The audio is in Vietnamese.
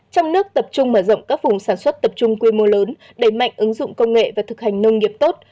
trong nước tập trung mở rộng các vùng sản xuất tập trung quy mô lớn đẩy mạnh ứng dụng công nghệ và thực hành nông nghiệp tốt